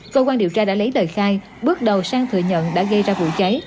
cơ quan điều tra đã lấy lời khai bước đầu sang thừa nhận đã gây ra vụ cháy